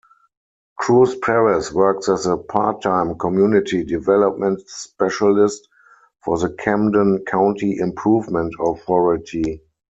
Cruz-Perez works as a part-time community development specialist for the Camden County Improvement Authority.